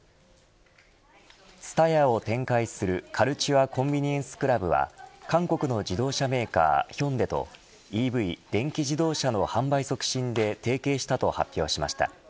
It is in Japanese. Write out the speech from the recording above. ＴＳＵＴＡＹＡを展開するカルチュア・コンビニエンス・クラブは韓国の自動車メーカーＨｙｕｎｄａｉとＥＶ電気自動車の販売促進で提携したと発表しました。